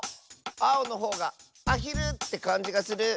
あおのほうがアヒルってかんじがする！